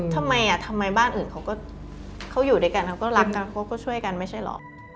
แบบทำไมบ้านอื่นเขาอยู่ด้วยกันเขาก็รักกันเขาก็ช่วยกันไม่ใช่เหรอ